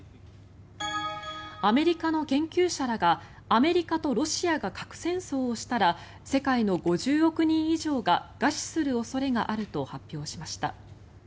アメリカの研究者らがアメリカとロシアが核戦争をしたら世界の５０億人以上が餓死する恐れがあると発表しました。